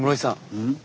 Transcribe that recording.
うん？